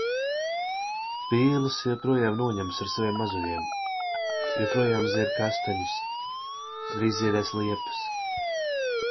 Pīles joprojām noņemas ar saviem mazuļiem. Joprojām zied kastaņas. Drīz ziedēs liepas.